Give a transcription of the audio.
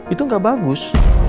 itu gak bagus